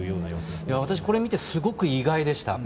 私、これを見てすごく意外でした。